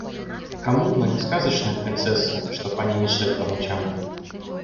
Коммуна не сказочная принцесса, чтоб о ней мечтать по ночам.